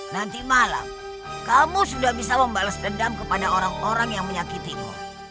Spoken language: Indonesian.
nanti malam kamu sudah bisa membalas dendam kepada orang orang yang menyakitimu